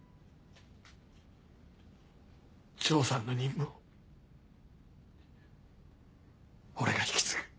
丈さんの任務を俺が引き継ぐ。